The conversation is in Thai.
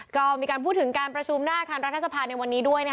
ก็มีการพูดถึงการประชุมหน้าอาคารรัฐสภาในวันนี้ด้วย